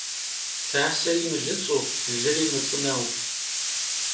Dzaseri mılıts'u, lıri mıts'ıneu.